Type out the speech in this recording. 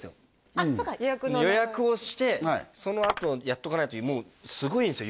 あっそうか予約の名前を予約をしてそのあとやっとかないともうすごいんすよ